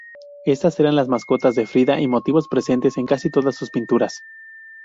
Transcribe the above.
Estas eran las mascotas de Frida y motivos presentes en casi todas sus pinturas.